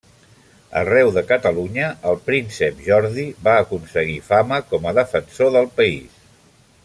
Arreu de Catalunya, el Príncep Jordi va aconseguir fama com a defensor del país.